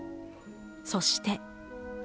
そして。